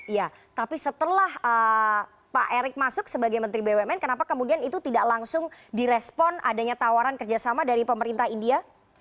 ya tapi setelah pak erick masuk sebagai menteri bumn kenapa kemudian itu tidak langsung direspon adanya tawaran kerjasama dari pemerintah india